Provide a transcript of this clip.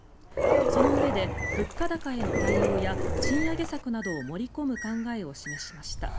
そのうえで、物価高への対応や賃上げ策などを盛り込む考えを示しました。